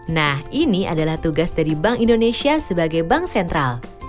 nah ini adalah tugas dari bank indonesia sebagai bank sentral